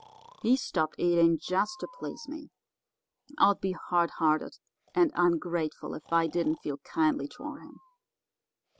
He stopped eating just to please me. I'd be hard hearted and ungrateful if I didn't feel kindly toward him.